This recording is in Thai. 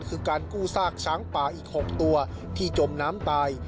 คือการกู้ซากช้างป่าอีก๖ตัวที่จมน้ำตาย